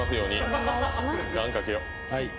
「願かけよ」